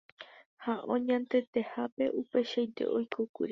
ha añetehápe upeichaite oikókuri.